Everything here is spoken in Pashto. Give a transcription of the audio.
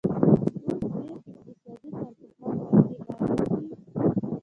اوس ډېر اقتصادي کارپوهان پر دې باور دي.